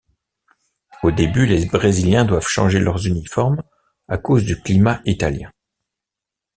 Au début, les Brésiliens doivent changer leurs uniformes à cause du climat italien.